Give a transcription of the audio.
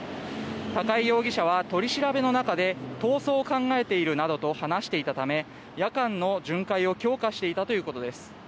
高井容疑者は取り調べの中で逃走を考えているなどと話していたため、夜間の巡回を強化していたということです。